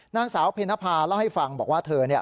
นางสาวเพนภาเล่าให้ฟังบอกว่าเธอ